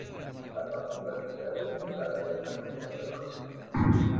Al margen de la sociedad, tenían rara vez acceso a la educación.